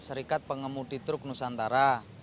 serikat pengemudi truk nusantara